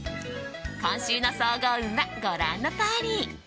今週の総合運はご覧のとおり。